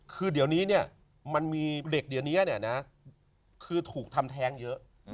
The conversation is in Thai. คือเดี๋ยวนี้เนี่ยมันมีเด็กเดี๋ยวนี้เนี่ยนะคือถูกทำแท้งเยอะ